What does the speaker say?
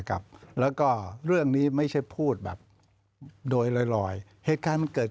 กลับแล้วก็เรื่องนี้ไม่ใช่พูดแบบโดยลอยลอยเหตุการณ์มันเกิด